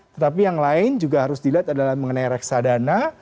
tetapi yang lain juga harus dilihat adalah mengenai reksadana